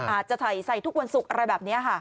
อาจจะใส่ทุกวันศุกร์อะไรแบบนี้ค่ะ